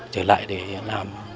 trở lại để làm